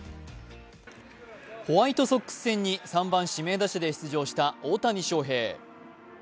ホワイトソックス戦に３番指名打者で出場した大谷翔平。